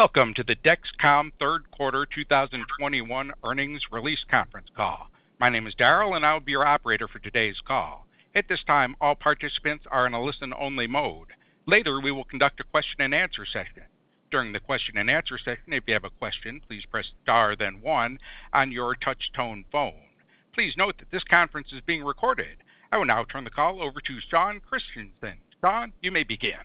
Welcome to the Dexcom third quarter 2021 earnings release conference Call. My name is Daryl, and I will be your operator for today's call. At this time, all participants are in a listen-only mode. Later, we will conduct a question-and-answer session. During the question-and-answer session, if you have a question, please press star then one on your touchtone phone. Please note that this conference is being recorded. I will now turn the call over to Sean Christensen. Sean, you may begin.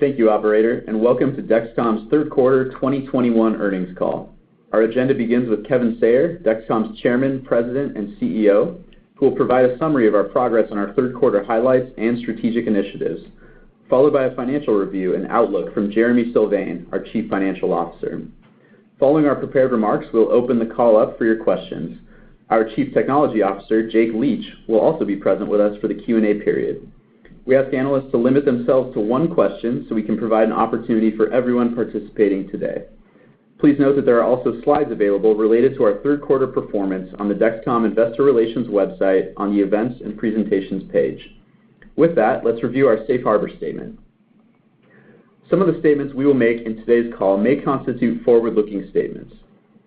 Thank you, operator, and welcome to Dexcom's third quarter 2021 earnings call. Our agenda begins with Kevin Sayer, Dexcom's Chairman, President, and CEO, who will provide a summary of our progress on our third quarter highlights and strategic initiatives, followed by a financial review and outlook from Jereme Sylvain, our Chief Financial Officer. Following our prepared remarks, we'll open the call up for your questions. Our Chief Technology Officer, Jake Leach, will also be present with us for the Q&A period. We ask analysts to limit themselves to one question so we can provide an opportunity for everyone participating today. Please note that there are also slides available related to our third quarter performance on the Dexcom investor relations website on the Events and Presentations page. With that, let's review our safe harbor statement. Some of the statements we will make in today's call may constitute forward-looking statements.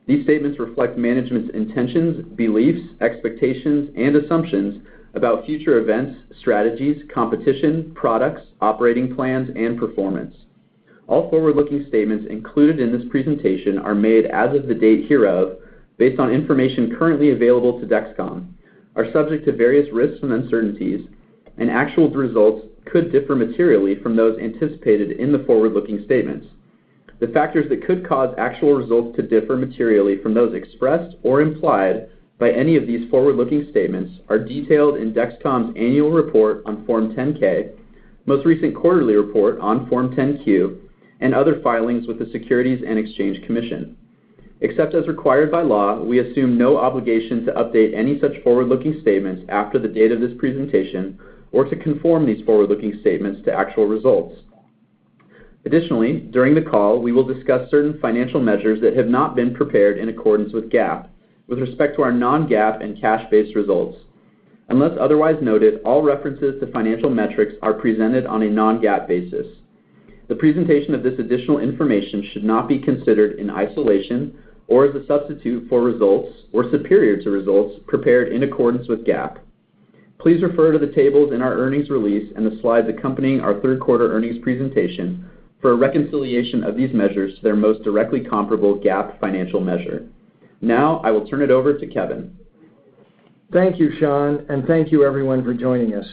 These statements reflect management's intentions, beliefs, expectations, and assumptions about future events, strategies, competition, products, operating plans, and performance. All forward-looking statements included in this presentation are made as of the date hereof based on information currently available to Dexcom, are subject to various risks and uncertainties, and actual results could differ materially from those anticipated in the forward-looking statements. The factors that could cause actual results to differ materially from those expressed or implied by any of these forward-looking statements are detailed in Dexcom's annual report on Form 10-K, most recent quarterly report on Form 10-Q, and other filings with the Securities and Exchange Commission. Except as required by law, we assume no obligation to update any such forward-looking statements after the date of this presentation or to conform these forward-looking statements to actual results. Additionally, during the call, we will discuss certain financial measures that have not been prepared in accordance with GAAP with respect to our non-GAAP and cash-based results. Unless otherwise noted, all references to financial metrics are presented on a non-GAAP basis. The presentation of this additional information should not be considered in isolation or as a substitute for results or superior to results prepared in accordance with GAAP. Please refer to the tables in our earnings release and the slides accompanying our third quarter earnings presentation for a reconciliation of these measures to their most directly comparable GAAP financial measure. Now, I will turn it over to Kevin. Thank you, Sean, and thank you everyone for joining us.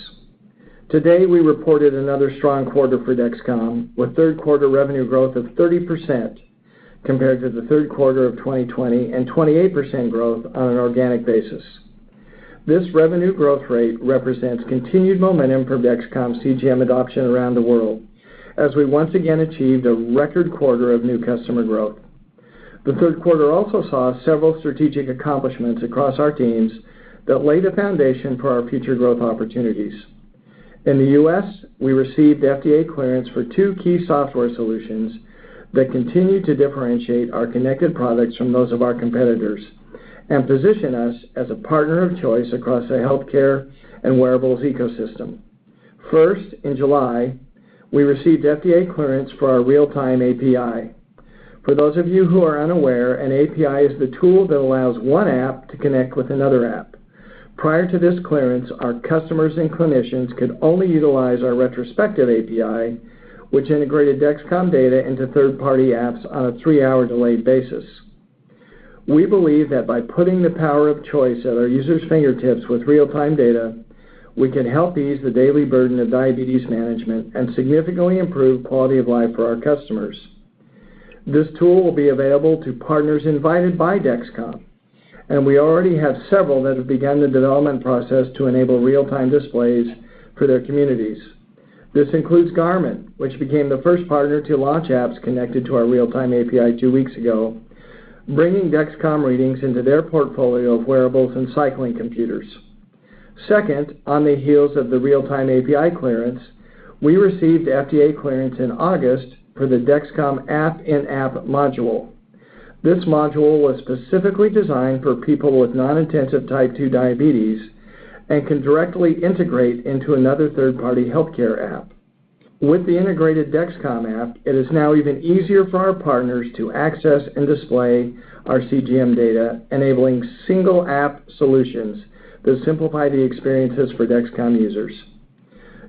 Today, we reported another strong quarter for Dexcom, with third quarter revenue growth of 30% compared to the third quarter of 2020 and 28% growth on an organic basis. This revenue growth rate represents continued momentum for Dexcom CGM adoption around the world as we once again achieved a record quarter of new customer growth. The third quarter also saw several strategic accomplishments across our teams that lay the foundation for our future growth opportunities. In the U.S., we received FDA clearance for two key software solutions that continue to differentiate our connected products from those of our competitors and position us as a partner of choice across the healthcare and wearables ecosystem. First, in July, we received FDA clearance for our real-time API. For those of you who are unaware, an API is the tool that allows one app to connect with another app. Prior to this clearance, our customers and clinicians could only utilize our retrospective API, which integrated Dexcom data into third-party apps on a three-hour delayed basis. We believe that by putting the power of choice at our users' fingertips with real-time data, we can help ease the daily burden of diabetes management and significantly improve quality of life for our customers. This tool will be available to partners invited by Dexcom, and we already have several that have begun the development process to enable real-time displays for their communities. This includes Garmin, which became the first partner to launch apps connected to our real-time API two weeks ago, bringing Dexcom readings into their portfolio of wearables and cycling computers. Second, on the heels of the real-time API clearance, we received FDA clearance in August for the Dexcom app in-app module. This module was specifically designed for people with non-intensive type 2 diabetes and can directly integrate into another third-party healthcare app. With the integrated Dexcom app, it is now even easier for our partners to access and display our CGM data, enabling single app solutions that simplify the experiences for Dexcom users.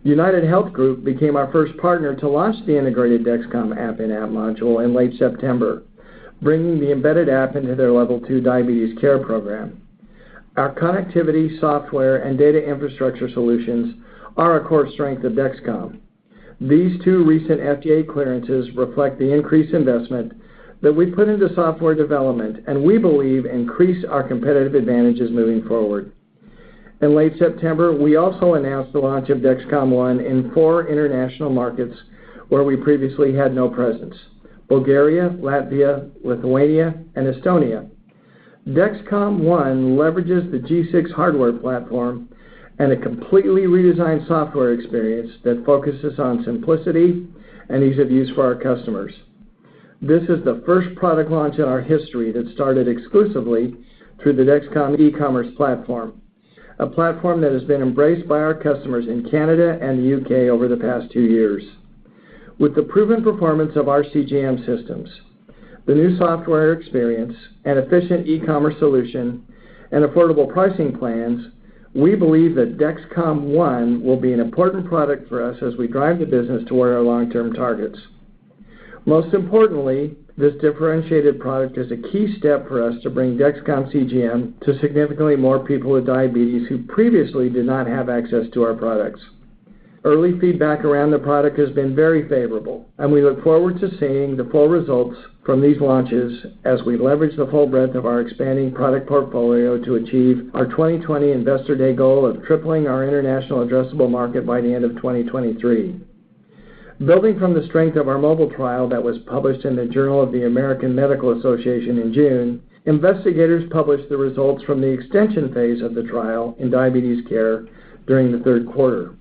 UnitedHealth Group became our first partner to launch the integrated Dexcom app in-app module in late September, bringing the embedded app into their Level2 diabetes care program. Our connectivity, software, and data infrastructure solutions are a core strength of Dexcom. These two recent FDA clearances reflect the increased investment that we put into software development, and we believe increase our competitive advantages moving forward. In late September, we also announced the launch of Dexcom ONE in four international markets where we previously had no presence, Bulgaria, Latvia, Lithuania, and Estonia. Dexcom ONE leverages the G6 hardware platform and a completely redesigned software experience that focuses on simplicity and ease of use for our customers. This is the first product launch in our history that started exclusively through the Dexcom e-commerce platform, a platform that has been embraced by our customers in Canada and the U.K. over the past two years. With the proven performance of our CGM systems, the new software experience, and efficient e-commerce solution, and affordable pricing plans, we believe that Dexcom ONE will be an important product for us as we drive the business toward our long-term targets. Most importantly, this differentiated product is a key step for us to bring Dexcom CGM to significantly more people with diabetes who previously did not have access to our products. Early feedback around the product has been very favorable, and we look forward to seeing the full results from these launches as we leverage the full breadth of our expanding product portfolio to achieve our 2020 investor day goal of tripling our international addressable market by the end of 2023. Building from the strength of our mobile trial that was published in the Journal of the American Medical Association in June, investigators published the results from the extension phase of the trial in Diabetes Care during the third quarter.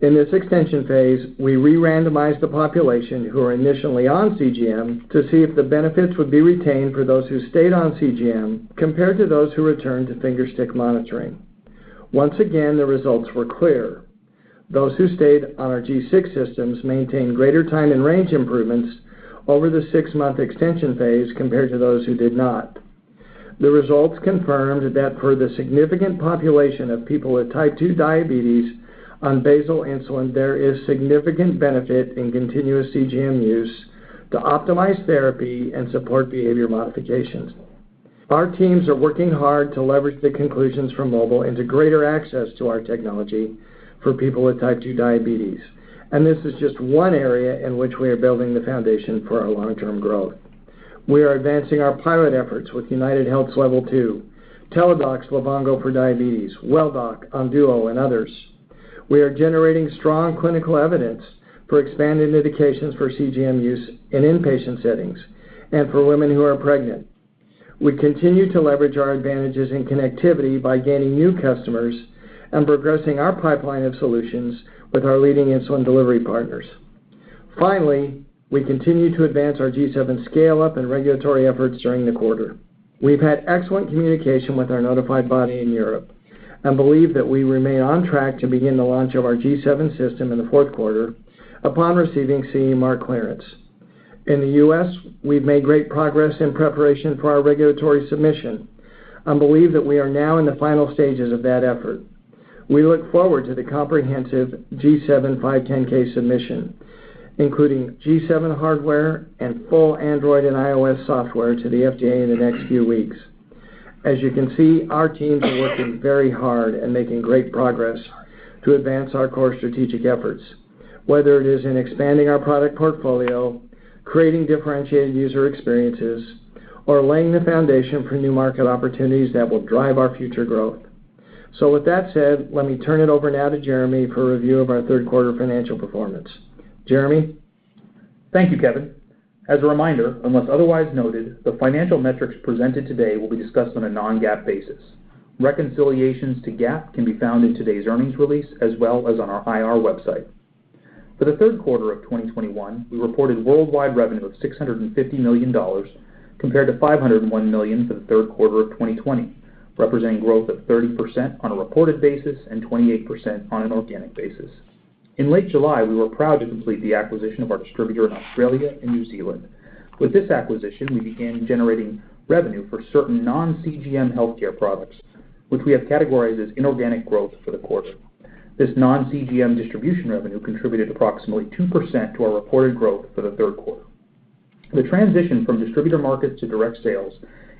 In this extension phase, we re-randomized the population who are initially on CGM to see if the benefits would be retained for those who stayed on CGM compared to those who returned to finger stick monitoring. Once again, the results were clear. Those who stayed on our G6 systems maintained greater time in range improvements over the six-month extension phase compared to those who did not. The results confirmed that for the significant population of people with type 2 diabetes on basal insulin, there is significant benefit in continuous CGM use to optimize therapy and support behavior modifications. Our teams are working hard to leverage the conclusions from mobile into greater access to our technology for people with type 2 diabetes, and this is just one area in which we are building the foundation for our long-term growth. We are advancing our pilot efforts with UnitedHealth's Level2, Teladoc's Livongo for Diabetes, Welldoc, Onduo, and others. We are generating strong clinical evidence for expanded indications for CGM use in inpatient settings and for women who are pregnant. We continue to leverage our advantages in connectivity by gaining new customers and progressing our pipeline of solutions with our leading insulin delivery partners. Finally, we continue to advance our G7 scale up and regulatory efforts during the quarter. We've had excellent communication with our notified body in Europe and believe that we remain on track to begin the launch of our G7 system in the fourth quarter upon receiving CE Mark clearance. In the U.S., we've made great progress in preparation for our regulatory submission and believe that we are now in the final stages of that effort. We look forward to the comprehensive G7 510(k) submission, including G7 hardware and full Android and iOS software to the FDA in the next few weeks. As you can see, our teams are working very hard and making great progress to advance our core strategic efforts, whether it is in expanding our product portfolio, creating differentiated user experiences, or laying the foundation for new market opportunities that will drive our future growth. With that said, let me turn it over now to Jereme for a review of our third quarter financial performance. Jereme? Thank you, Kevin. As a reminder, unless otherwise noted, the financial metrics presented today will be discussed on a non-GAAP basis. Reconciliations to GAAP can be found in today's earnings release as well as on our IR website. For the third quarter of 2021, we reported worldwide revenue of $650 million compared to $501 million for the third quarter of 2020, representing growth of 30% on a reported basis and 28% on an organic basis. In late July, we were proud to complete the acquisition of our distributor in Australia and New Zealand. With this acquisition, we began generating revenue for certain non-CGM healthcare products, which we have categorized as inorganic growth for the quarter. This non-CGM distribution revenue contributed approximately 2% to our reported growth for the third quarter. The transition from distributor markets to direct sales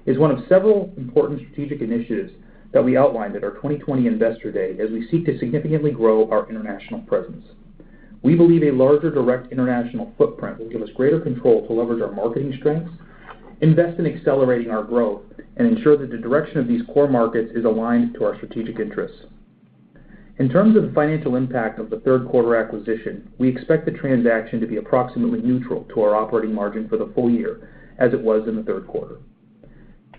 is one of several important strategic initiatives that we outlined at our 2020 investor day as we seek to significantly grow our international presence. We believe a larger direct international footprint will give us greater control to leverage our marketing strengths, invest in accelerating our growth, and ensure that the direction of these core markets is aligned to our strategic interests. In terms of the financial impact of the third quarter acquisition, we expect the transaction to be approximately neutral to our operating margin for the full year as it was in the third quarter.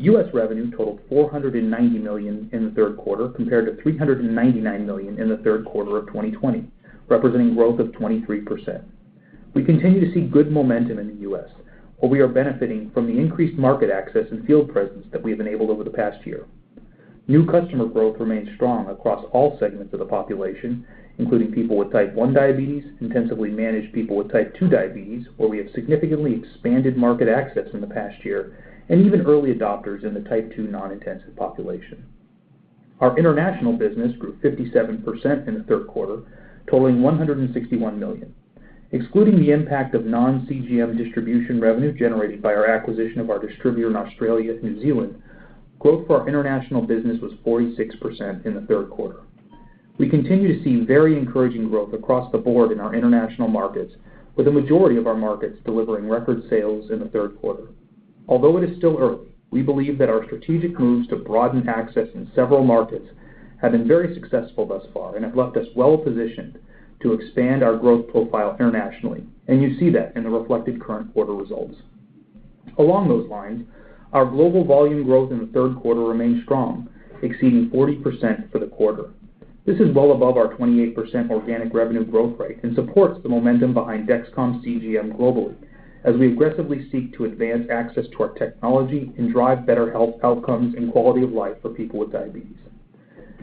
U.S. revenue totaled $490 million in the third quarter compared to $399 million in the third quarter of 2020, representing growth of 23%. We continue to see good momentum in the U.S., where we are benefiting from the increased market access and field presence that we have enabled over the past year. New customer growth remains strong across all segments of the population, including people with type 1 diabetes, intensively managed people with type 2 diabetes, where we have significantly expanded market access in the past year, and even early adopters in the type 2 non-intensive population. Our international business grew 57% in the third quarter, totaling $161 million. Excluding the impact of non-CGM distribution revenue generated by our acquisition of our distributor in Australia and New Zealand, growth for our international business was 46% in the third quarter. We continue to see very encouraging growth across the board in our international markets, with a majority of our markets delivering record sales in the third quarter. Although it is still early, we believe that our strategic moves to broaden access in several markets have been very successful thus far and have left us well positioned to expand our growth profile internationally. You see that reflected in the current quarter results. Along those lines, our global volume growth in the third quarter remained strong, exceeding 40% for the quarter. This is well above our 28% organic revenue growth rate and supports the momentum behind Dexcom CGM globally as we aggressively seek to advance access to our technology and drive better health outcomes and quality of life for people with diabetes.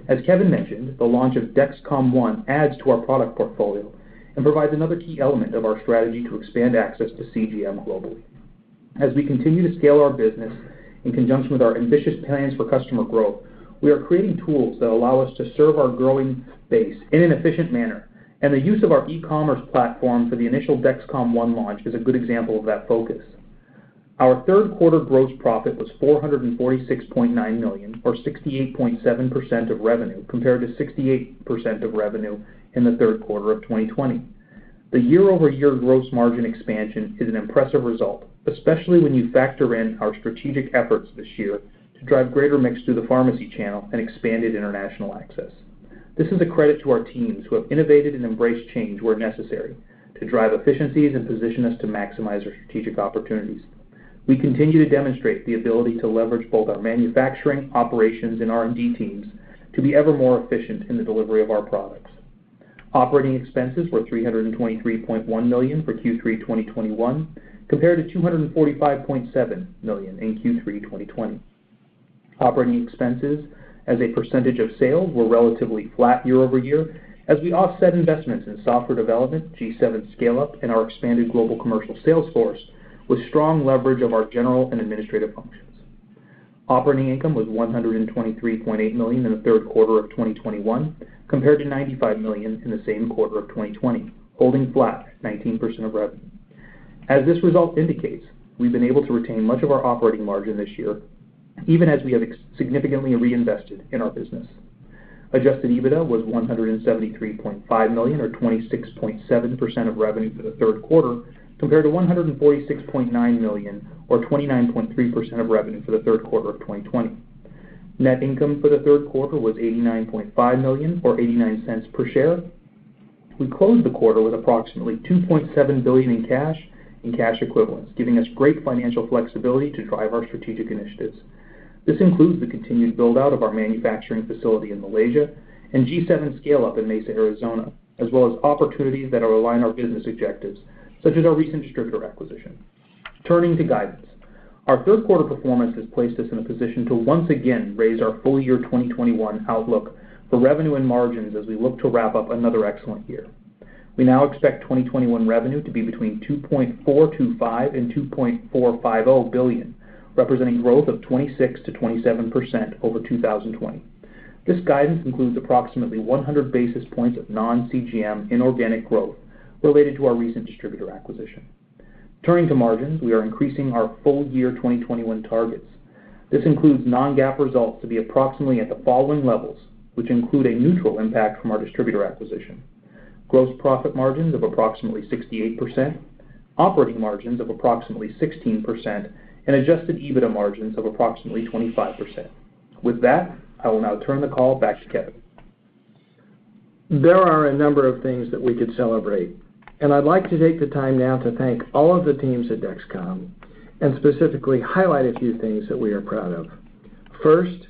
As Kevin mentioned, the launch of Dexcom ONE adds to our product portfolio and provides another key element of our strategy to expand access to CGM globally. As we continue to scale our business in conjunction with our ambitious plans for customer growth, we are creating tools that allow us to serve our growing base in an efficient manner, and the use of our e-commerce platform for the initial Dexcom ONE launch is a good example of that focus. Our third quarter gross profit was $446.9 million, or 68.7% of revenue, compared to 68% of revenue in the third quarter of 2020. The year-over-year gross margin expansion is an impressive result, especially when you factor in our strategic efforts this year to drive greater mix through the pharmacy channel and expanded international access. This is a credit to our teams who have innovated and embraced change where necessary to drive efficiencies and position us to maximize our strategic opportunities. We continue to demonstrate the ability to leverage both our manufacturing, operations, and R&D teams to be ever more efficient in the delivery of our products. Operating expenses were $323.1 million for Q3 2021 compared to $245.7 million in Q3 2020. Operating expenses as a percentage of sales were relatively flat year-over-year as we offset investments in software development, G7 scale-up, and our expanded global commercial sales force with strong leverage of our general and administrative functions. Operating income was $123.8 million in the third quarter of 2021 compared to $95 million in the same quarter of 2020, holding flat at 19% of revenue. As this result indicates, we've been able to retain much of our operating margin this year, even as we have significantly reinvested in our business. Adjusted EBITDA was $173.5 million or 26.7% of revenue for the third quarter compared to $146.9 million or 29.3% of revenue for the third quarter of 2020. Net income for the third quarter was $89.5 million or $0.89 per share. We closed the quarter with approximately $2.7 billion in cash and cash equivalents, giving us great financial flexibility to drive our strategic initiatives. This includes the continued build-out of our manufacturing facility in Malaysia and G7 scale-up in Mesa, Arizona, as well as opportunities that align our business objectives, such as our recent distributor acquisition. Turning to guidance. Our third quarter performance has placed us in a position to once again raise our full year 2021 outlook for revenue and margins as we look to wrap up another excellent year. We now expect 2021 revenue to be between $2.425 billion and $2.450 billion, representing growth of 26%-27% over 2020. This guidance includes approximately 100 basis points of non-CGM inorganic growth related to our recent distributor acquisition. Turning to margins, we are increasing our full year 2021 targets. This includes non-GAAP results to be approximately at the following levels, which include a neutral impact from our distributor acquisition. Gross profit margins of approximately 68%, operating margins of approximately 16%, and adjusted EBITDA margins of approximately 25%. With that, I will now turn the call back to Kevin. There are a number of things that we could celebrate, and I'd like to take the time now to thank all of the teams at Dexcom and specifically highlight a few things that we are proud of. First,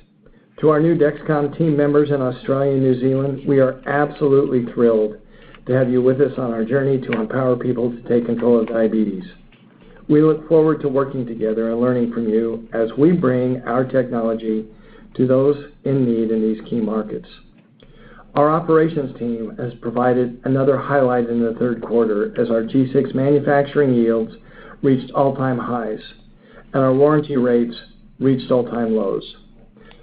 to our new Dexcom team members in Australia and New Zealand, we are absolutely thrilled to have you with us on our journey to empower people to take control of diabetes. We look forward to working together and learning from you as we bring our technology to those in need in these key markets. Our operations team has provided another highlight in the third quarter as our G6 manufacturing yields reached all-time highs, and our warranty rates reached all-time lows.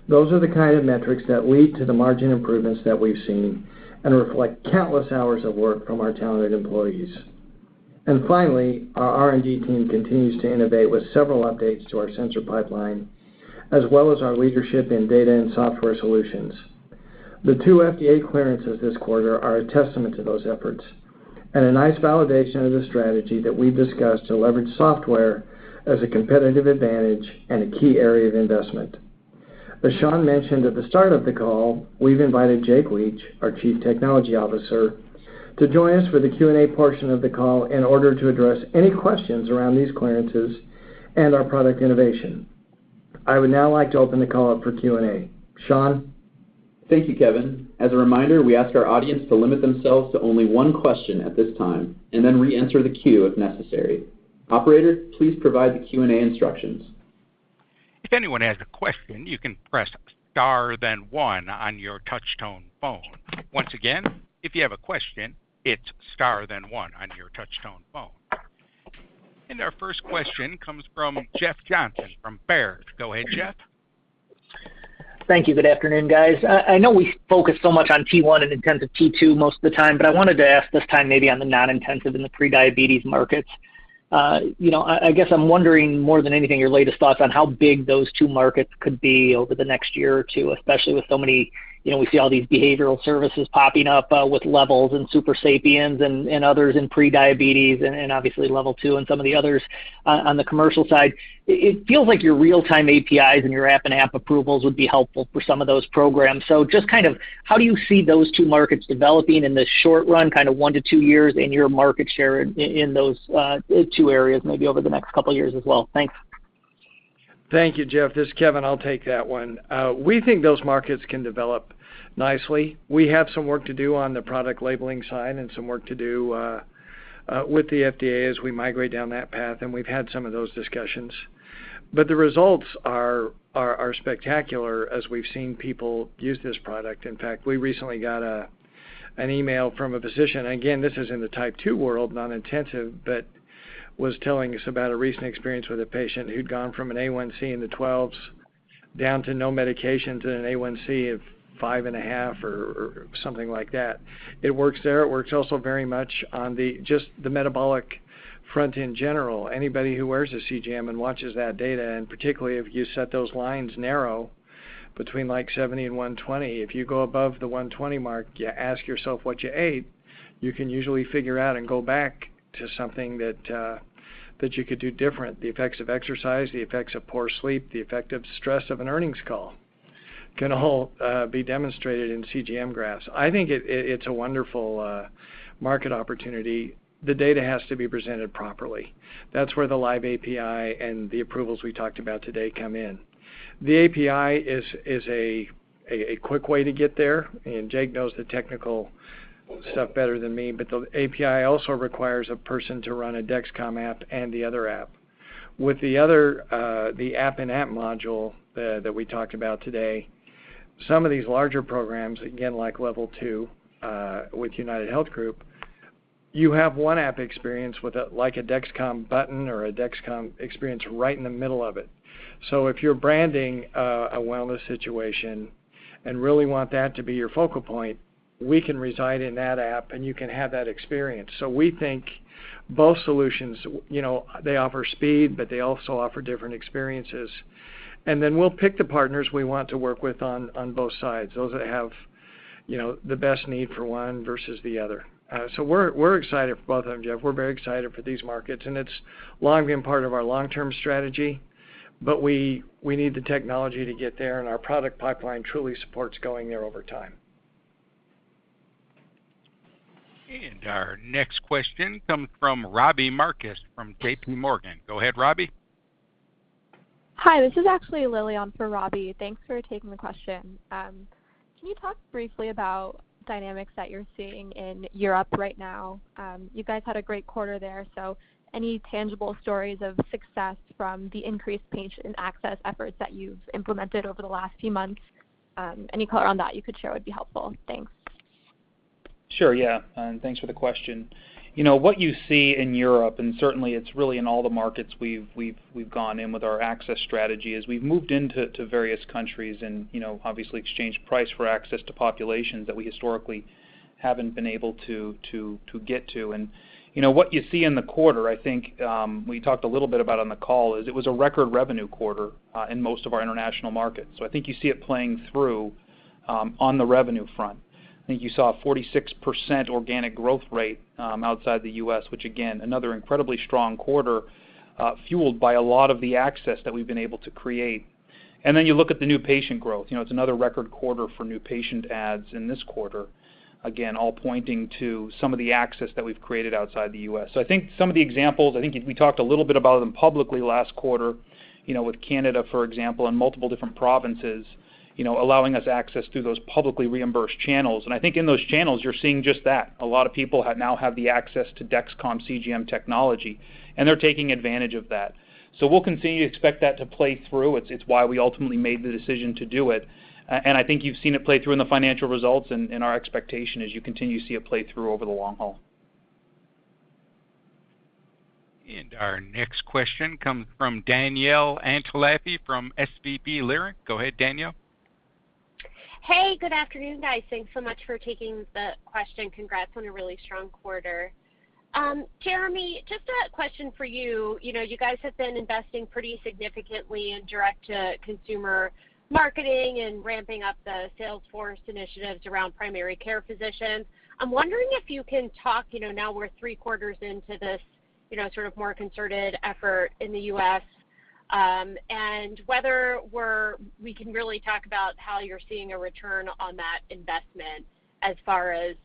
Those are the kind of metrics that lead to the margin improvements that we've seen and reflect countless hours of work from our talented employees. Finally, our R&D team continues to innovate with several updates to our sensor pipeline, as well as our leadership in data and software solutions. The two FDA clearances this quarter are a testament to those efforts and a nice validation of the strategy that we've discussed to leverage software as a competitive advantage and a key area of investment. As Sean mentioned at the start of the call, we've invited Jake Leach, our Chief Technology Officer, to join us for the Q&A portion of the call in order to address any questions around these clearances and our product innovation. I would now like to open the call up for Q&A. Sean? Thank you, Kevin. As a reminder, we ask our audience to limit themselves to only one question at this time and then reenter the queue if necessary. Operator, please provide the Q&A instructions. If anyone has a question, you can press star then one on your touch-tone phone. Once again, if you have a question, hit star then one on your touch-tone phone. Our first question comes from Jeff Johnson from Baird. Go ahead, Jeff. Thank you. Good afternoon, guys. I know we focus so much on T1 and intensive T2 most of the time, but I wanted to ask this time maybe on the non-intensive and the prediabetes markets. You know, I guess I'm wondering more than anything, your latest thoughts on how big those two markets could be over the next year or two, especially with so many. You know, we see all these behavioral services popping up, with Levels and Supersapiens and others in prediabetes and obviously Level2 and some of the others on the commercial side. It feels like your real-time APIs and your iOS and Android approvals would be helpful for some of those programs. Just kind of how do you see those two markets developing in the short run, kind of one to two years, and your market share in those two areas maybe over the next couple of years as well? Thanks. Thank you, Jeff. This is Kevin, I'll take that one. We think those markets can develop nicely. We have some work to do on the product labeling side and some work to do with the FDA as we migrate down that path, and we've had some of those discussions. The results are spectacular as we've seen people use this product. In fact, we recently got an email from a physician, again, this is in the type 2 world, non-intensive, but was telling us about a recent experience with a patient who'd gone from an A1C in the 12s down to no medications and an A1C of 5.5 or something like that. It works there. It works also very much on just the metabolic front in general. Anybody who wears a CGM and watches that data, and particularly if you set those lines narrow between like 70 and 120, if you go above the 120 mark, you ask yourself what you ate, you can usually figure out and go back to something that that you could do different. The effects of exercise, the effects of poor sleep, the effect of stress of an earnings call can all be demonstrated in CGM graphs. I think it's a wonderful market opportunity. The data has to be presented properly. That's where the live API and the approvals we talked about today come in. The API is a quick way to get there, and Jake knows the technical stuff better than me. But the API also requires a person to run a Dexcom app and the other app. With the other, the app-in-app module that we talked about today, some of these larger programs, again, like Level2, with UnitedHealth Group, you have one app experience with a, like a Dexcom button or a Dexcom experience right in the middle of it. If you're branding a wellness situation and really want that to be your focal point, we can reside in that app and you can have that experience. We think both solutions, you know, they offer speed, but they also offer different experiences. Then we'll pick the partners we want to work with on both sides, those that have, you know, the best need for one versus the other. We're excited for both of them, Jeff. We're very excited for these markets, and it's long been part of our long-term strategy. We need the technology to get there, and our product pipeline truly supports going there over time. Our next question comes from Robbie Marcus from JPMorgan. Go ahead, Robbie. Hi. This is actually Lillian for Robbie. Thanks for taking the question. Can you talk briefly about dynamics that you're seeing in Europe right now? You guys had a great quarter there, so any tangible stories of success from the increased patient access efforts that you've implemented over the last few months? Any color on that you could share would be helpful. Thanks. Sure. Yeah. Thanks for the question. You know, what you see in Europe, and certainly it's really in all the markets we've gone in with our access strategy, is we've moved into to various countries and, you know, obviously exchanged price for access to populations that we historically haven't been able to get to. You know, what you see in the quarter, I think, we talked a little bit about on the call, is it was a record revenue quarter in most of our international markets. I think you see it playing through on the revenue front. I think you saw a 46% organic growth rate outside the U.S., which again, another incredibly strong quarter, fueled by a lot of the access that we've been able to create. Then you look at the new patient growth. You know, it's another record quarter for new patient adds in this quarter. Again, all pointing to some of the access that we've created outside the U.S. I think some of the examples, I think if we talked a little bit about them publicly last quarter, you know, with Canada, for example, and multiple different provinces, you know, allowing us access through those publicly reimbursed channels. I think in those channels, you're seeing just that. A lot of people now have the access to Dexcom CGM technology, and they're taking advantage of that. We'll continue to expect that to play through. It's why we ultimately made the decision to do it. I think you've seen it play through in the financial results, and our expectation as you continue to see it play through over the long haul. Our next question comes from Danielle Antalffy from SVB Leerink. Go ahead, Danielle. Hey, good afternoon, guys. Thanks so much for taking the question. Congrats on a really strong quarter. Jereme, just a question for you. You know, you guys have been investing pretty significantly in direct-to-consumer marketing and ramping up the salesforce initiatives around primary care physicians. I'm wondering if you can talk, you know, now we're three quarters into this, you know, sort of more concerted effort in the U.S., and whether we can really talk about how you're seeing a return on that investment as far as,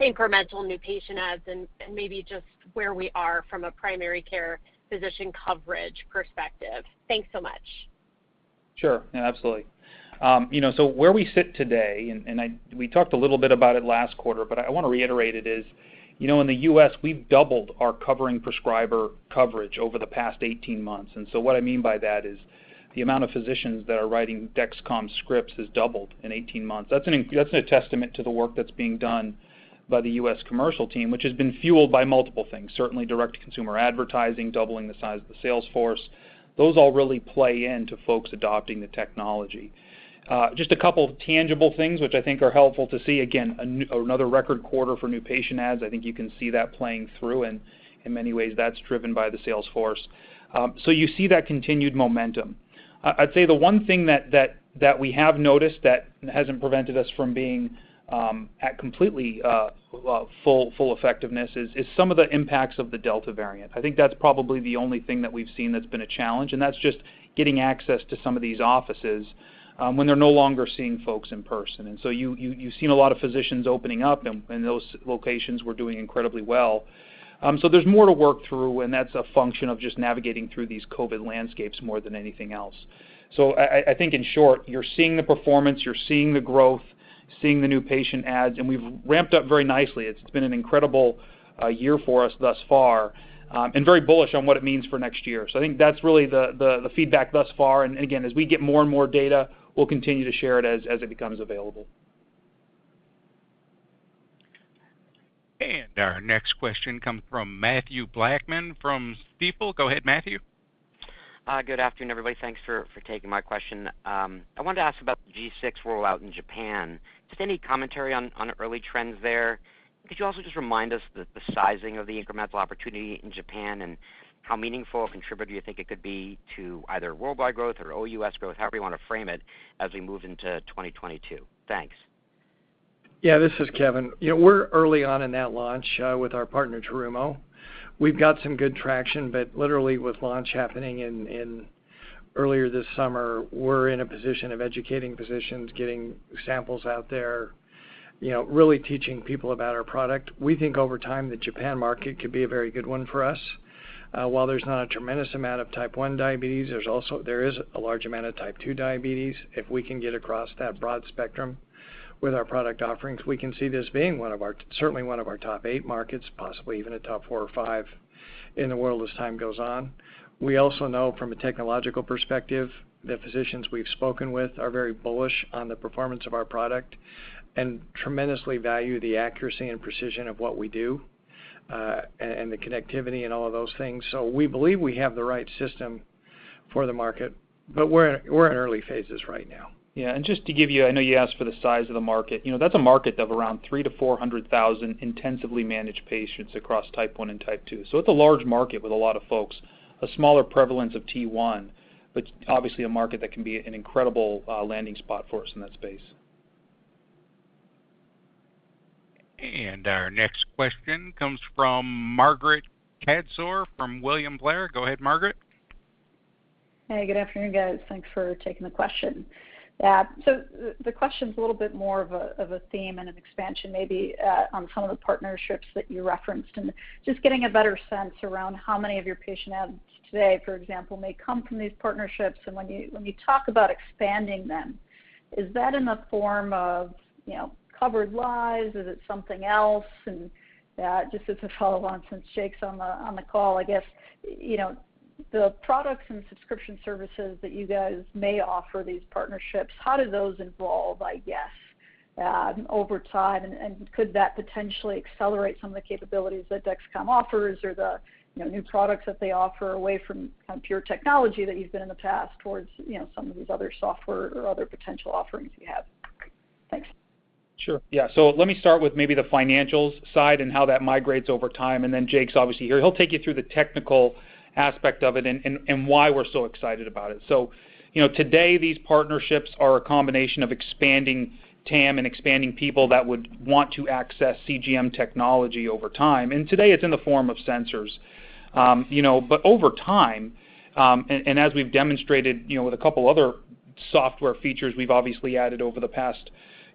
incremental new patient adds and maybe just where we are from a primary care physician coverage perspective. Thanks so much. Sure. Yeah, absolutely. You know, where we sit today, we talked a little bit about it last quarter, but I want to reiterate it. You know, in the U.S., we've doubled our covering prescriber coverage over the past 18 months. What I mean by that is the amount of physicians that are writing Dexcom scripts has doubled in 18 months. That's a testament to the work that's being done by the U.S. commercial team, which has been fueled by multiple things. Certainly direct-to-consumer advertising, doubling the size of the sales force. Those all really play into folks adopting the technology. Just a couple tangible things which I think are helpful to see. Again, another record quarter for new patient adds. I think you can see that playing through, and in many ways, that's driven by the sales force. You see that continued momentum. I'd say the one thing that we have noticed that hasn't prevented us from being at completely full effectiveness is some of the impacts of the Delta variant. I think that's probably the only thing that we've seen that's been a challenge, and that's just getting access to some of these offices. When they're no longer seeing folks in person. You've seen a lot of physicians opening up, and those locations were doing incredibly well. There's more to work through, and that's a function of just navigating through these COVID landscapes more than anything else. I think in short, you're seeing the performance, you're seeing the growth, seeing the new patient adds, and we've ramped up very nicely. It's been an incredible year for us thus far, and very bullish on what it means for next year. I think that's really the feedback thus far. Again, as we get more and more data, we'll continue to share it as it becomes available. Our next question comes from Matthew Blackman from Stifel. Go ahead, Matthew. Good afternoon, everybody. Thanks for taking my question. I wanted to ask about the G6 rollout in Japan. Just any commentary on early trends there? Could you also just remind us the sizing of the incremental opportunity in Japan and how meaningful a contributor you think it could be to either worldwide growth or OUS growth, however you wanna frame it, as we move into 2022? Thanks. Yeah, this is Kevin. You know, we're early on in that launch with our partner Terumo. We've got some good traction, but literally with launch happening in earlier this summer, we're in a position of educating physicians, getting samples out there, you know, really teaching people about our product. We think over time, the Japan market could be a very good one for us. While there's not a tremendous amount of Type 1 diabetes, there's also a large amount of Type 2 diabetes. If we can get across that broad spectrum with our product offerings, we can see this being one of our, certainly one of our top eight markets, possibly even a top four or five in the world as time goes on. We also know from a technological perspective that physicians we've spoken with are very bullish on the performance of our product and tremendously value the accuracy and precision of what we do, and the connectivity and all of those things. We believe we have the right system for the market, but we're in early phases right now. Just to give you. I know you asked for the size of the market. You know, that's a market of around 300,000-400,000 intensively managed patients across Type 1 and Type 2. It's a large market with a lot of folks, a smaller prevalence of T1, but obviously a market that can be an incredible landing spot for us in that space. Our next question comes from Margaret Kaczor from William Blair. Go ahead, Margaret. Hey, good afternoon, guys. Thanks for taking the question. The question's a little bit more of a theme and an expansion maybe on some of the partnerships that you referenced, and just getting a better sense around how many of your patient adds today, for example, may come from these partnerships. When you talk about expanding them, is that in the form of, you know, covered lives? Is it something else? Just as a follow on since Jake's on the call, I guess, you know, the products and subscription services that you guys may offer these partnerships, how do those evolve, I guess, over time? Could that potentially accelerate some of the capabilities that Dexcom offers or the, you know, new products that they offer away from kind of pure technology that you've been in the past towards, you know, some of these other software or other potential offerings you have? Thanks. Sure. Yeah. Let me start with maybe the financials side and how that migrates over time, and then Jake's obviously here. He'll take you through the technical aspect of it and why we're so excited about it. You know, today, these partnerships are a combination of expanding TAM and expanding people that would want to access CGM technology over time. Today it's in the form of sensors. You know, over time, as we've demonstrated, you know, with a couple other software features we've obviously added over the past,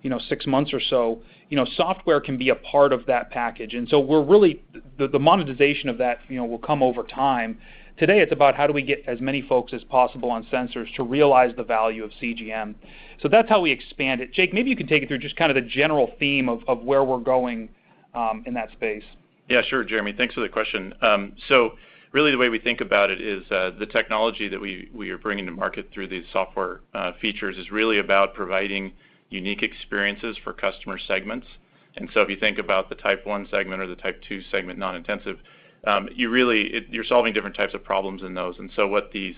you know, six months or so, you know, software can be a part of that package. The monetization of that, you know, will come over time. Today it's about how do we get as many folks as possible on sensors to realize the value of CGM. That's how we expand it. Jake, maybe you can take it through just kind of the general theme of where we're going in that space. Yeah, sure, Jereme. Thanks for the question. Really the way we think about it is the technology that we are bringing to market through these software features is really about providing unique experiences for customer segments. If you think about the Type 1 segment or the Type 2 segment, non-intensive, you really you're solving different types of problems in those. What these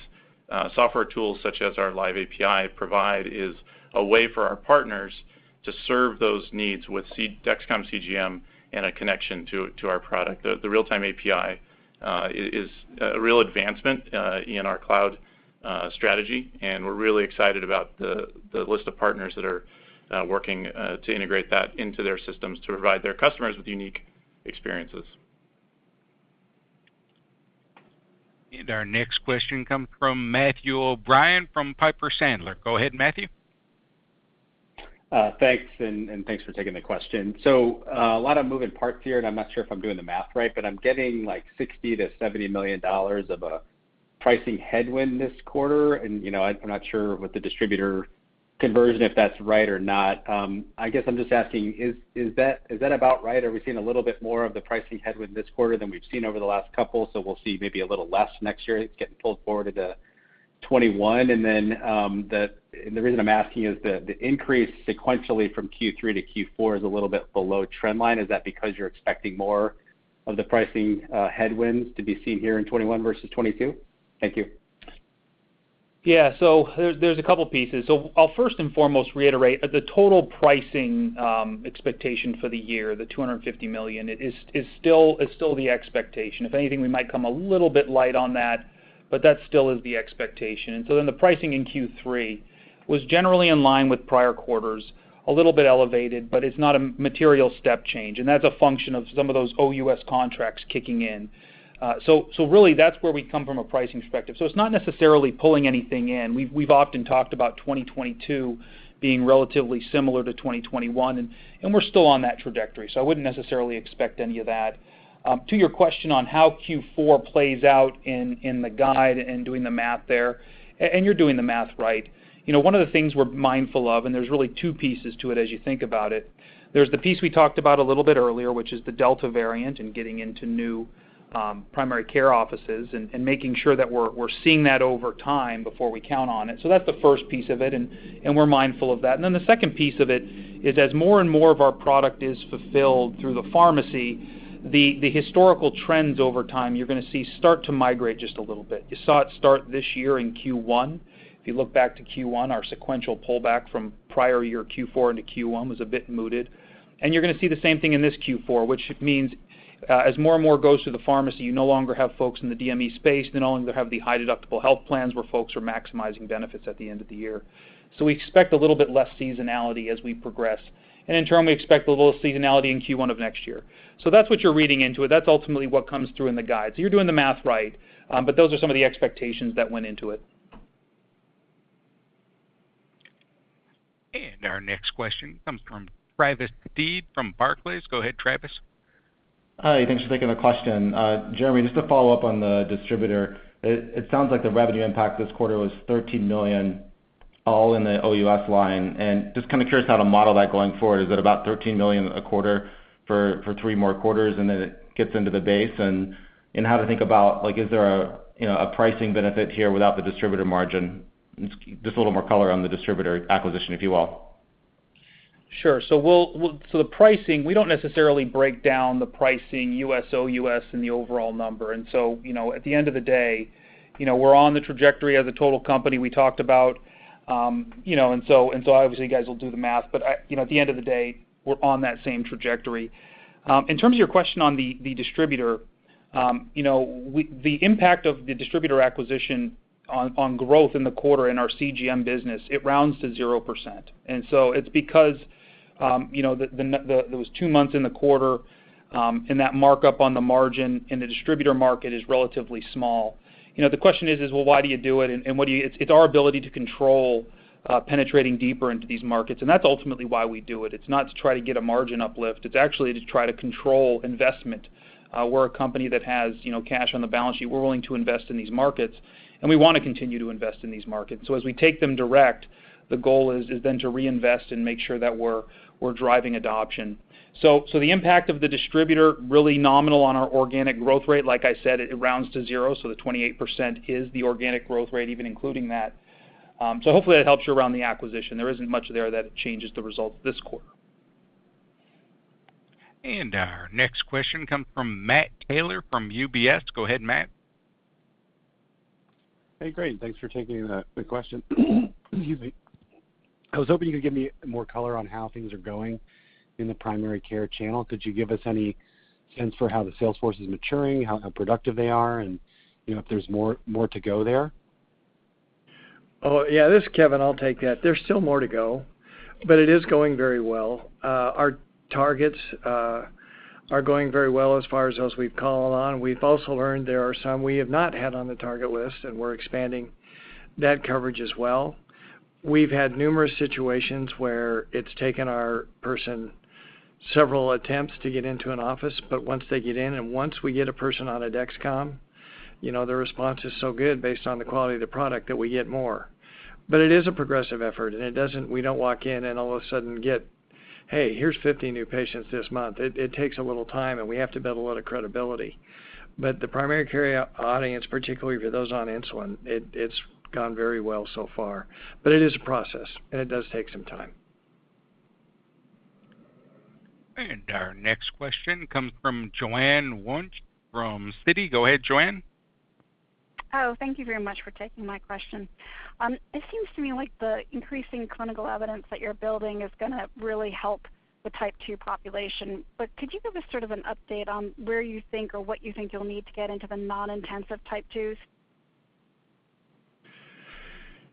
software tools such as our live API provide is a way for our partners to serve those needs with Dexcom CGM and a connection to our product. The real-time API is a real advancement in our cloud strategy, and we're really excited about the list of partners that are working to integrate that into their systems to provide their customers with unique experiences. Our next question comes from Matthew O'Brien from Piper Sandler. Go ahead, Matthew. Thanks for taking the question. A lot of moving parts here, and I'm not sure if I'm doing the math right, but I'm getting like $60 million-$70 million of a pricing headwind this quarter. You know, I'm not sure with the distributor conversion if that's right or not. I guess I'm just asking, is that about right? Are we seeing a little bit more of the pricing headwind this quarter than we've seen over the last couple, so we'll see maybe a little less next year? It's getting pulled forward into 2021. The reason I'm asking is the increase sequentially from Q3 to Q4 is a little bit below trend line. Is that because you're expecting more of the pricing headwinds to be seen here in 2021 versus 2022? Thank you. Yeah. There's a couple pieces. I'll first and foremost reiterate the total pricing expectation for the year, the $250 million. It is still the expectation. If anything, we might come a little bit light on that. But that still is the expectation. The pricing in Q3 was generally in line with prior quarters, a little bit elevated, but it's not a material step change. And that's a function of some of those OUS contracts kicking in. Really, that's where we come from a pricing perspective. It's not necessarily pulling anything in. We've often talked about 2022 being relatively similar to 2021, and we're still on that trajectory. I wouldn't necessarily expect any of that. To your question on how Q4 plays out in the guide and doing the math there, and you're doing the math right. You know, one of the things we're mindful of, and there's really two pieces to it as you think about it. There's the piece we talked about a little bit earlier, which is the Delta variant and getting into new primary care offices and making sure that we're seeing that over time before we count on it. So that's the first piece of it, and we're mindful of that. And then the second piece of it is as more and more of our product is fulfilled through the pharmacy, the historical trends over time, you're gonna see start to migrate just a little bit. You saw it start this year in Q1. If you look back to Q1, our sequential pullback from prior year Q4 into Q1 was a bit mooted. You're gonna see the same thing in this Q4, which means, as more and more goes to the pharmacy, you no longer have folks in the DME space, you no longer have the high-deductible health plans where folks are maximizing benefits at the end of the year. We expect a little bit less seasonality as we progress. In turn, we expect a little seasonality in Q1 of next year. That's what you're reading into it. That's ultimately what comes through in the guide. You're doing the math right, but those are some of the expectations that went into it. Our next question comes from Travis Steed from Barclays. Go ahead, Travis. Hi, thanks for taking my question. Jereme, just to follow up on the distributor, it sounds like the revenue impact this quarter was $13 million, all in the OUS line. Just kind of curious how to model that going forward. Is it about $13 million a quarter for three more quarters, and then it gets into the base? How to think about, like, is there a, you know, a pricing benefit here without the distributor margin? Just a little more color on the distributor acquisition, if you will. Sure. So the pricing, we don't necessarily break down the pricing U.S., OUS in the overall number. You know, at the end of the day, you know, we're on the trajectory as a total company we talked about. You know, obviously, you guys will do the math. You know, at the end of the day, we're on that same trajectory. In terms of your question on the distributor, you know, the impact of the distributor acquisition on growth in the quarter in our CGM business rounds to 0%. It's because, you know, those two months in the quarter, and that markup on the margin in the distributor market is relatively small. You know, the question is, well, why do you do it, and what do you... It's our ability to control penetrating deeper into these markets, and that's ultimately why we do it. It's not to try to get a margin uplift. It's actually to try to control investment. We're a company that has, you know, cash on the balance sheet. We're willing to invest in these markets, and we wanna continue to invest in these markets. As we take them direct, the goal is then to reinvest and make sure that we're driving adoption. The impact of the distributor, really nominal on our organic growth rate. Like I said, it rounds to zero, so the 28% is the organic growth rate, even including that. Hopefully that helps you around the acquisition. There isn't much there that changes the results this quarter. Our next question comes from Matt Taylor from UBS. Go ahead, Matt. Hey, great. Thanks for taking the question. Excuse me. I was hoping you could give me more color on how things are going in the primary care channel. Could you give us any sense for how the sales force is maturing, how productive they are, and, you know, if there's more to go there? Oh, yeah. This is Kevin. I'll take that. There's still more to go, but it is going very well. Our targets are going very well as far as those we've called on. We've also learned there are some we have not had on the target list, and we're expanding that coverage as well. We've had numerous situations where it's taken our person several attempts to get into an office, but once they get in and once we get a person on a Dexcom, you know, the response is so good based on the quality of the product that we get more. But it is a progressive effort, and we don't walk in and all of a sudden get, "Hey, here's 50 new patients this month." It takes a little time, and we have to build a lot of credibility. The primary care audience, particularly for those on insulin, it's gone very well so far. It is a process, and it does take some time. Our next question comes from Joanne Wuensch from Citi. Go ahead, Joanne. Oh, thank you very much for taking my question. It seems to me like the increasing clinical evidence that you're building is gonna really help the Type 2 population. Could you give us sort of an update on where you think or what you think you'll need to get into the non-intensive type 2s?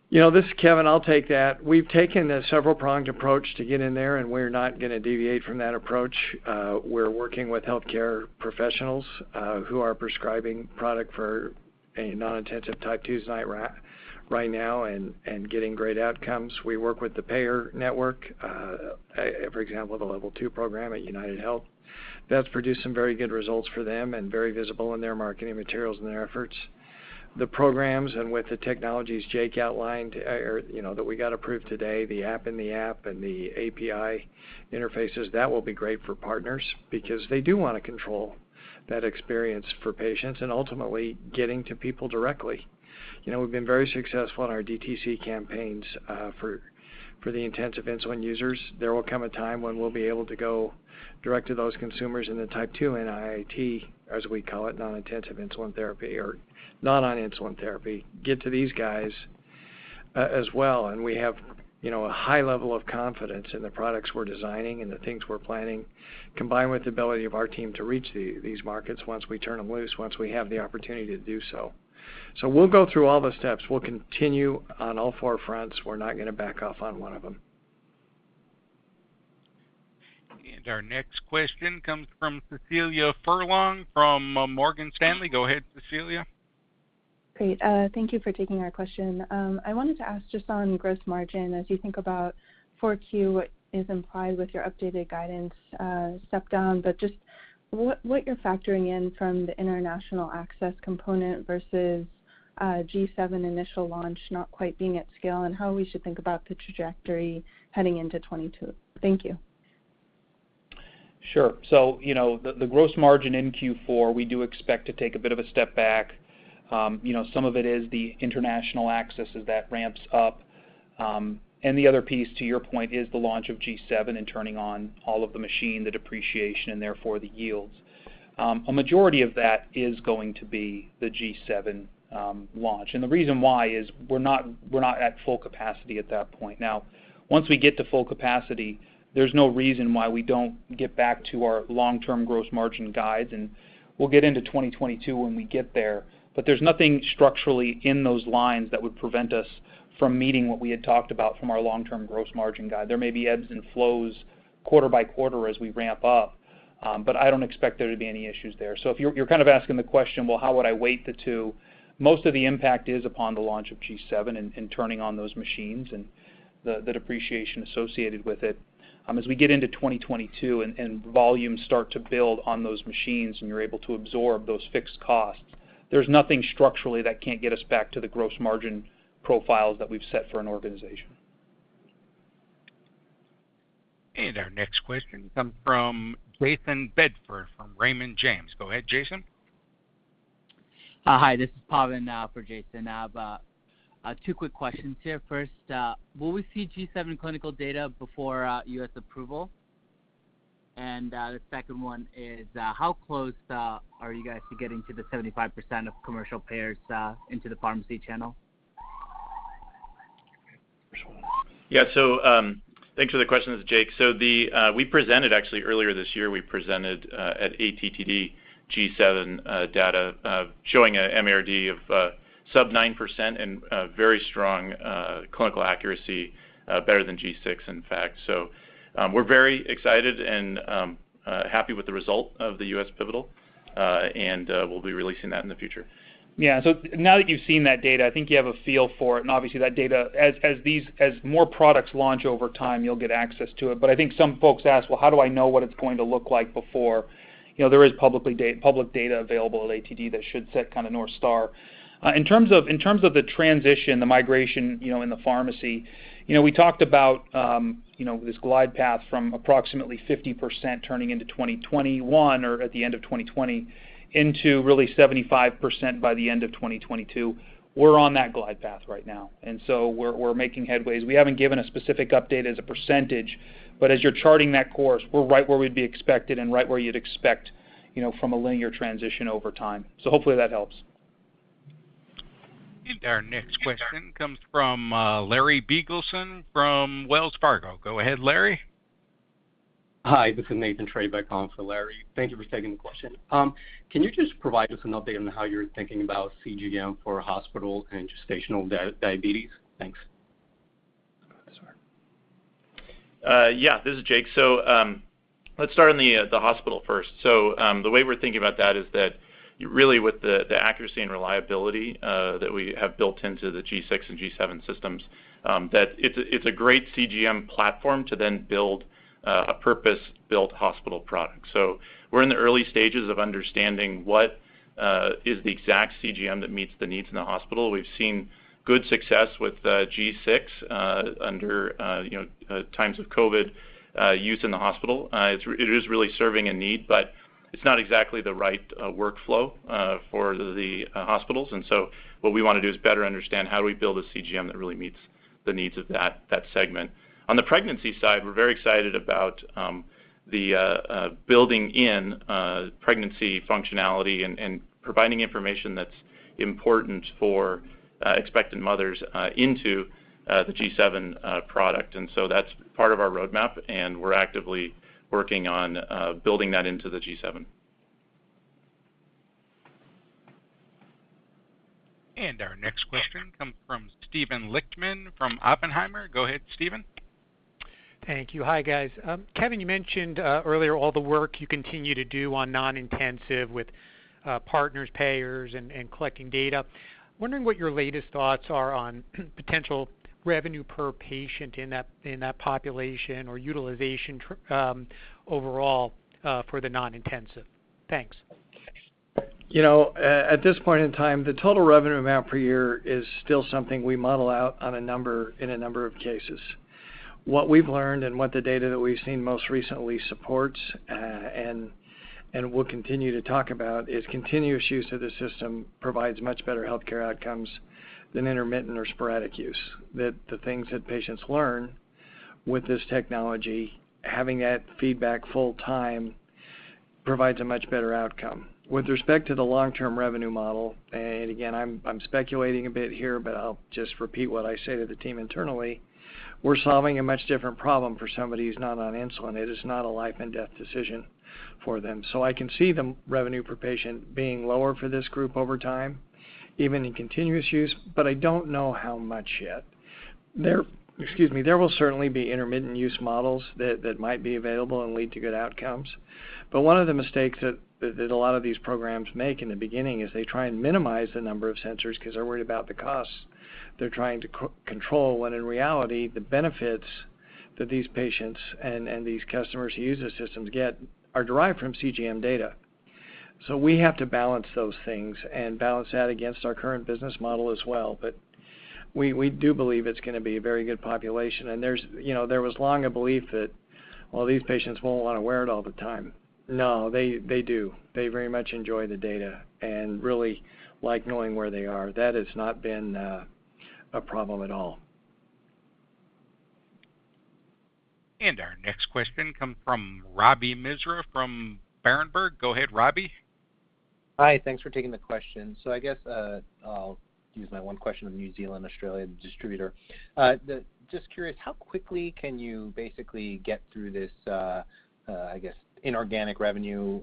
You know, this is Kevin. I'll take that. We've taken a several pronged approach to get in there, and we're not gonna deviate from that approach. We're working with healthcare professionals who are prescribing product for a non-intensive type 2s right now and getting great outcomes. We work with the payer network, for example, the Level2 program at UnitedHealth. That's produced some very good results for them and very visible in their marketing materials and their efforts. The programs and with the technologies Jake outlined, or, you know, that we got approved today, the app in the app and the API interfaces, that will be great for partners because they do wanna control that experience for patients and ultimately getting to people directly. You know, we've been very successful in our DTC campaigns for the intensive insulin users. There will come a time when we'll be able to go direct to those consumers in the type 2 NIIT, as we call it, non-intensive insulin therapy or non-insulin therapy, get to these guys as well, and we have, you know, a high level of confidence in the products we're designing and the things we're planning, combined with the ability of our team to reach these markets once we turn them loose, once we have the opportunity to do so. We'll go through all the steps. We'll continue on all four fronts. We're not going to back off on one of them. Our next question comes from Cecilia Furlong from Morgan Stanley. Go ahead, Cecilia. Thank you for taking our question. I wanted to ask just on gross margin, as you think about Q4 as implied with your updated guidance, step down, but just what you're factoring in from the international access component versus G7 initial launch not quite being at scale, and how we should think about the trajectory heading into 2022. Thank you. Sure. You know, the gross margin in Q4, we do expect to take a bit of a step back. You know, some of it is the international access as that ramps up. The other piece, to your point, is the launch of G7 and turning on all of the machine, the depreciation, and therefore the yields. A majority of that is going to be the G7 launch. The reason why is we're not at full capacity at that point. Now, once we get to full capacity, there's no reason why we don't get back to our long-term gross margin guides, and we'll get into 2022 when we get there. There's nothing structurally in those lines that would prevent us from meeting what we had talked about from our long-term gross margin guide. There may be ebbs and flows quarter by quarter as we ramp up, but I don't expect there to be any issues there. If you're kind of asking the question, well, how would I weight the two? Most of the impact is upon the launch of G7 and turning on those machines and the depreciation associated with it. As we get into 2022 and volumes start to build on those machines and you're able to absorb those fixed costs, there's nothing structurally that can't get us back to the gross margin profiles that we've set for an organization. Our next question comes from Jayson Bedford from Raymond James. Go ahead, Jayson. Hi, this is Pavan for Jayson. I have two quick questions here. First, will we see G7 clinical data before U.S. approval? The second one is, how close are you guys to getting to the 75% of commercial payers into the pharmacy channel? Yeah, thanks for the question. This is Jake. We presented actually earlier this year at ATTD G7 data showing a MARD of sub 9% and very strong clinical accuracy, better than G6, in fact. We're very excited and happy with the result of the U.S. pivotal. We'll be releasing that in the future. Yeah. Now that you've seen that data, I think you have a feel for it. Obviously, that data, as more products launch over time, you'll get access to it. I think some folks ask, "Well, how do I know what it's going to look like before?" You know, there is public data available at ATTD that should set kind of north star. In terms of the transition, the migration, you know, in the pharmacy, you know, we talked about this glide path from approximately 50% turning into 2021 or at the end of 2020 into really 75% by the end of 2022. We're on that glide path right now, and we're making headway. We haven't given a specific update as a percentage, but as you're charting that course, we're right where we'd be expected and right where you'd expect, you know, from a linear transition over time. Hopefully that helps. Our next question comes from Larry Biegelsen from Wells Fargo. Go ahead, Larry. Hi, this is Nathan Treybeck. Thank you for taking the question. Can you just provide us an update on how you're thinking about CGM for hospital and gestational diabetes? Thanks. Yeah, this is Jake. Let's start on the hospital first. The way we're thinking about that is that really with the accuracy and reliability that we have built into the G6 and G7 systems, that it's a great CGM platform to then build a purpose-built hospital product. We're in the early stages of understanding what is the exact CGM that meets the needs in the hospital. We've seen good success with G6 under you know times of COVID use in the hospital. It's really serving a need, but it's not exactly the right workflow for the hospitals. What we wanna do is better understand how do we build a CGM that really meets the needs of that segment. On the pregnancy side, we're very excited about building in pregnancy functionality and providing information that's important for expectant mothers into the G7 product. That's part of our roadmap, and we're actively working on building that into the G7. Our next question comes from Steven Lichtman from Oppenheimer. Go ahead, Steven. Thank you. Hi, guys. Kevin, you mentioned earlier all the work you continue to do on non-intensive with partners, payers and collecting data. Wondering what your latest thoughts are on potential revenue per patient in that population or utilization overall for the non-intensive. Thanks. You know, at this point in time, the total revenue amount per year is still something we model out in a number of cases. What we've learned and what the data that we've seen most recently supports and we'll continue to talk about is continuous use of the system provides much better healthcare outcomes than intermittent or sporadic use. That the things that patients learn with this technology, having that feedback full-time provides a much better outcome. With respect to the long-term revenue model, and again, I'm speculating a bit here, but I'll just repeat what I say to the team internally, we're solving a much different problem for somebody who's not on insulin. It is not a life and death decision for them. I can see the revenue per patient being lower for this group over time, even in continuous use, but I don't know how much yet. There will certainly be intermittent use models that might be available and lead to good outcomes. One of the mistakes that a lot of these programs make in the beginning is they try and minimize the number of sensors 'cause they're worried about the costs they're trying to control, when in reality, the benefits that these patients and these customers who use the systems get are derived from CGM data. We have to balance those things and balance that against our current business model as well. We do believe it's gonna be a very good population. There's, you know, there was long a belief that, well, these patients won't wanna wear it all the time. No, they do. They very much enjoy the data and really like knowing where they are. That has not been a problem at all. Our next question comes from Ravi Misra from Berenberg. Go ahead, Ravi. Hi. Thanks for taking the question. I guess, I'll use my one question on the New Zealand/Australia distributor. Just curious, how quickly can you basically get through this, I guess, inorganic revenue,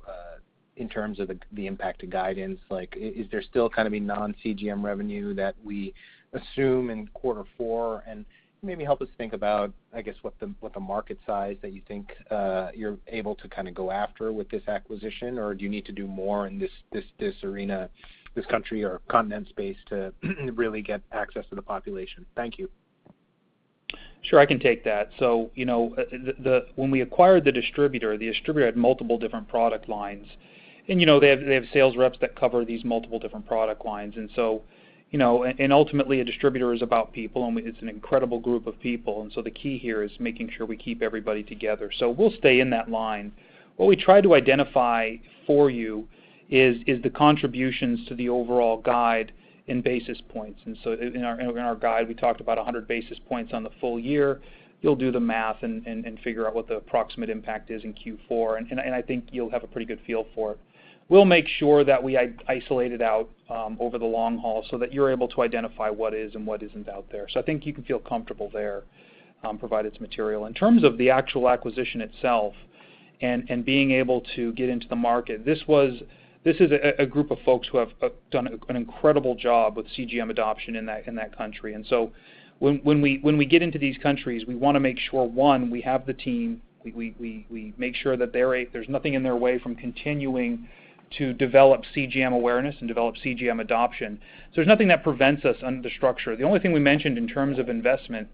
in terms of the impact to guidance? Like, is there still kind of a non-CGM revenue that we assume in quarter four? And maybe help us think about, I guess, what the market size that you think, you're able to kind of go after with this acquisition, or do you need to do more in this arena, this country or continent space to really get access to the population? Thank you. Sure. I can take that. You know, when we acquired the distributor, the distributor had multiple different product lines. You know, they have sales reps that cover these multiple different product lines. You know, ultimately, a distributor is about people, and it's an incredible group of people. The key here is making sure we keep everybody together. We'll stay in that line. What we tried to identify for you is the contributions to the overall guide in basis points. In our guide, we talked about 100 basis points on the full year. You'll do the math and figure out what the approximate impact is in Q4. I think you'll have a pretty good feel for it. We'll make sure that we isolate it out over the long haul so that you're able to identify what is and what isn't out there. I think you can feel comfortable there, provided it's material. In terms of the actual acquisition itself and being able to get into the market, this is a group of folks who have done an incredible job with CGM adoption in that country. When we get into these countries, we wanna make sure, one, we have the team, we make sure that there's nothing in their way from continuing to develop CGM awareness and develop CGM adoption. There's nothing that prevents us under the structure. The only thing we mentioned in terms of investment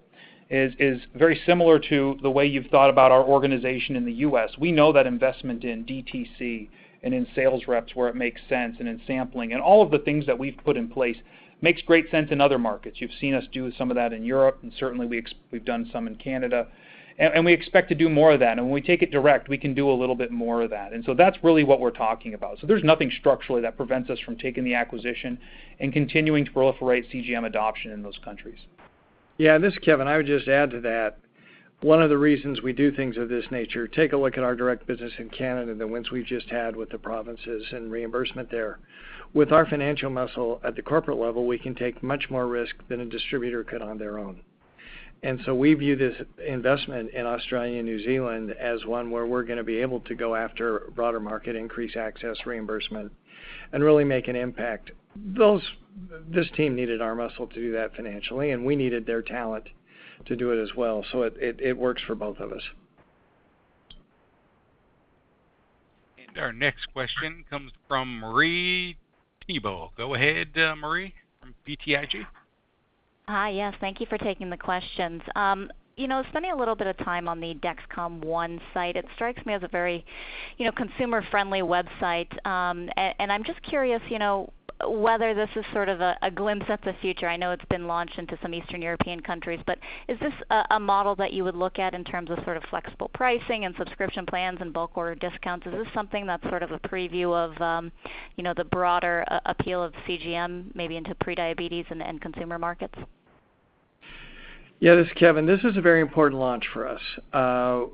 is very similar to the way you've thought about our organization in the U.S. We know that investment in DTC and in sales reps where it makes sense, and in sampling, and all of the things that we've put in place makes great sense in other markets. You've seen us do some of that in Europe, and certainly we've done some in Canada. We expect to do more of that. When we take it direct, we can do a little bit more of that. That's really what we're talking about. There's nothing structurally that prevents us from taking the acquisition and continuing to proliferate CGM adoption in those countries. Yeah. This is Kevin. I would just add to that. One of the reasons we do things of this nature, take a look at our direct business in Canada, the wins we've just had with the provinces and reimbursement there. With our financial muscle at the corporate level, we can take much more risk than a distributor could on their own. We view this investment in Australia and New Zealand as one where we're gonna be able to go after broader market increase access reimbursement and really make an impact. This team needed our muscle to do that financially, and we needed their talent to do it as well, so it works for both of us. Our next question comes from Marie Thibault. Go ahead, Marie from BTIG. Hi. Yes, thank you for taking the questions. You know, spending a little bit of time on the Dexcom ONE site, it strikes me as a very, you know, consumer-friendly website. And I'm just curious, you know, whether this is sort of a glimpse of the future. I know it's been launched into some Eastern European countries, but is this a model that you would look at in terms of sort of flexible pricing and subscription plans and bulk order discounts? Is this something that's sort of a preview of, you know, the broader appeal of CGM maybe into pre-diabetes in the end consumer markets? Yeah, this is Kevin. This is a very important launch for us.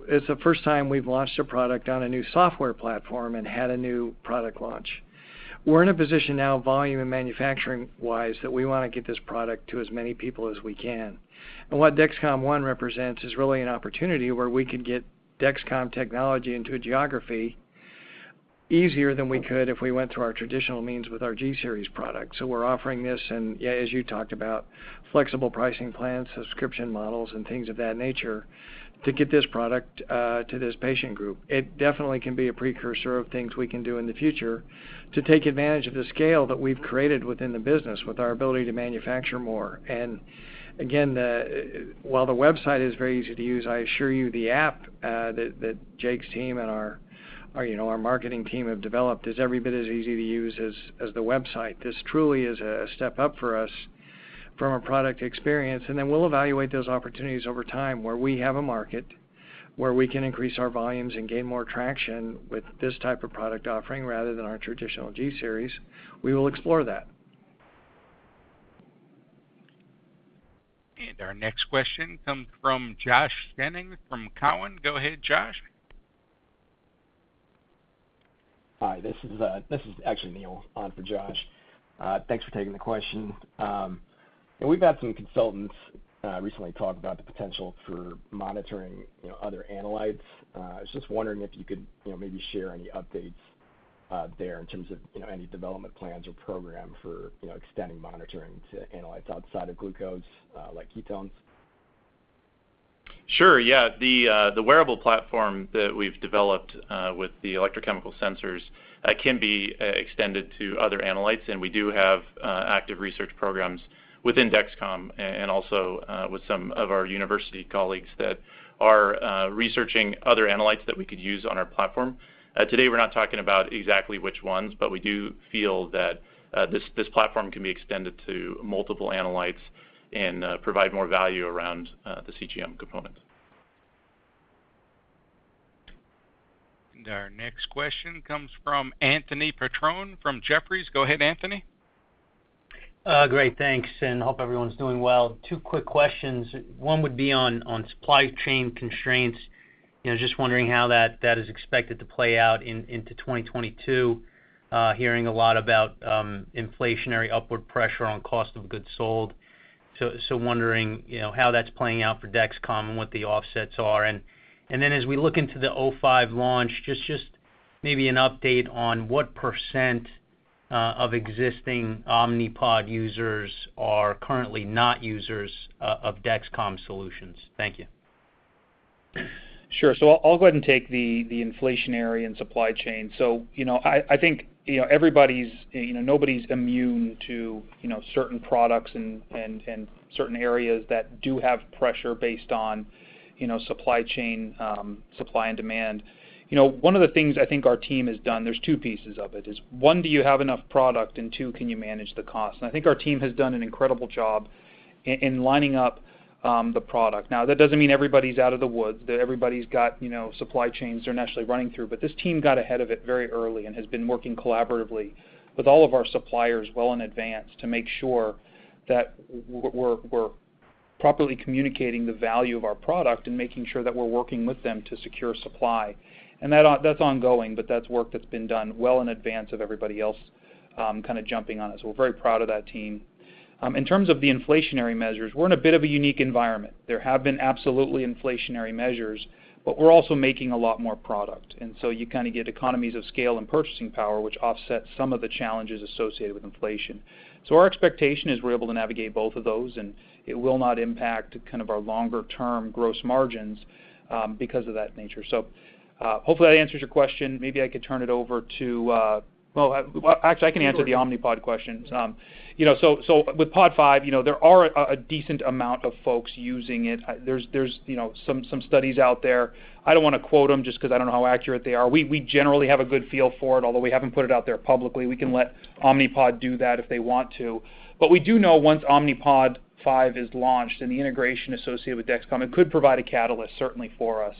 It's the first time we've launched a product on a new software platform and had a new product launch. We're in a position now volume and manufacturing-wise, that we wanna get this product to as many people as we can. What Dexcom ONE represents is really an opportunity where we could get Dexcom technology into a geography easier than we could if we went through our traditional means with our G series product. We're offering this and yeah, as you talked about, flexible pricing plans, subscription models, and things of that nature to get this product to this patient group. It definitely can be a precursor of things we can do in the future to take advantage of the scale that we've created within the business with our ability to manufacture more. While the website is very easy to use, I assure you the app that Jake's team and our you know, our marketing team have developed is every bit as easy to use as the website. This truly is a step up for us from a product experience, and then we'll evaluate those opportunities over time where we have a market where we can increase our volumes and gain more traction with this type of product offering rather than our traditional G series. We will explore that. Our next question comes from Josh Jennings from Cowen. Go ahead, Josh. Hi, this is actually Neil on for Josh. Thanks for taking the question. We've had some consultants recently talk about the potential for monitoring, you know, other analytes. I was just wondering if you could, you know, maybe share any updates there in terms of, you know, any development plans or program for, you know, extending monitoring to analytes outside of glucose, like ketones. Sure. Yeah. The wearable platform that we've developed with the electrochemical sensors can be extended to other analytes, and we do have active research programs within Dexcom and also with some of our university colleagues that are researching other analytes that we could use on our platform. Today, we're not talking about exactly which ones, but we do feel that this platform can be extended to multiple analytes and provide more value around the CGM component. Our next question comes from Anthony Petrone from Jefferies. Go ahead, Anthony. Great. Thanks, and hope everyone's doing well. Two quick questions. One would be on supply chain constraints. You know, just wondering how that is expected to play out into 2022. Hearing a lot about inflationary upward pressure on cost of goods sold. Wondering, you know, how that's playing out for Dexcom and what the offsets are. As we look into the Omnipod 5 launch, just maybe an update on what percent of existing Omnipod users are currently not users of Dexcom solutions. Thank you. Sure. I'll go ahead and take the inflationary and supply chain. You know, I think everybody's nobody's immune to certain products and certain areas that do have pressure based on supply chain, supply and demand. You know, one of the things I think our team has done, there's two pieces of it, is one, do you have enough product? And two, can you manage the cost? And I think our team has done an incredible job in lining up the product. Now, that doesn't mean everybody's out of the woods, that everybody's got supply chains they're naturally running through. This team got ahead of it very early and has been working collaboratively with all of our suppliers well in advance to make sure that we're properly communicating the value of our product and making sure that we're working with them to secure supply. That's ongoing, but that's work that's been done well in advance of everybody else, kind of jumping on it. We're very proud of that team. In terms of the inflationary measures, we're in a bit of a unique environment. There have been absolutely inflationary measures, but we're also making a lot more product. You kind of get economies of scale and purchasing power, which offset some of the challenges associated with inflation. Our expectation is we're able to navigate both of those, and it will not impact kind of our longer-term gross margins, because of that nature. Hopefully, that answers your question. Maybe I could turn it over to... Well, actually, I can answer the Omnipod questions. You know, so with Omnipod 5, you know, there are a decent amount of folks using it. There's you know, some studies out there. I don't wanna quote them just 'cause I don't know how accurate they are. We generally have a good feel for it, although we haven't put it out there publicly. We can let Omnipod do that if they want to. But we do know once Omnipod 5 is launched and the integration associated with Dexcom, it could provide a catalyst certainly for us.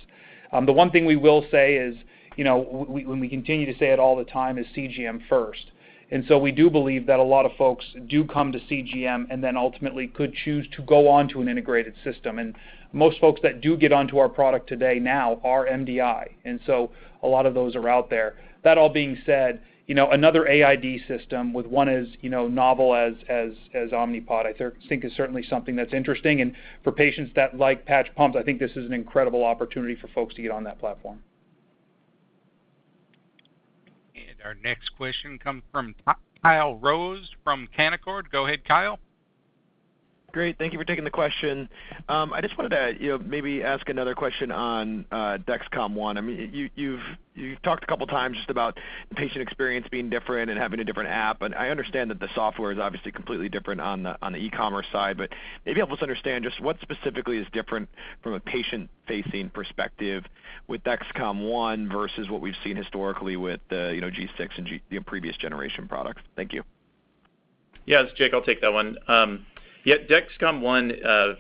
The one thing we will say is, you know, when we continue to say it all the time is CGM first. We do believe that a lot of folks do come to CGM and then ultimately could choose to go on to an integrated system. Most folks that do get onto our product today now are MDI. A lot of those are out there. That all being said, you know, another AID system with one as, you know, novel as Omnipod, I think is certainly something that's interesting. For patients that like patch pumps, I think this is an incredible opportunity for folks to get on that platform. Our next question comes from Kyle Rose from Canaccord. Go ahead, Kyle. Great. Thank you for taking the question. I just wanted to, you know, maybe ask another question on Dexcom ONE. I mean, you've talked a couple of times just about the patient experience being different and having a different app, and I understand that the software is obviously completely different on the e-commerce side, but maybe help us understand just what specifically is different from a patient-facing perspective with Dexcom ONE versus what we've seen historically with the, you know, G6 and G, you know, previous generation products. Thank you. Yeah. This is Jake. I'll take that one. Yeah, Dexcom ONE,